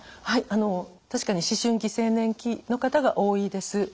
はい確かに思春期・青年期の方が多いです。